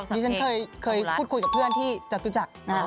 ดิฉันเคยพูดคุยกับเพื่อนที่จตุจักร